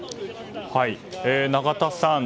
永田さん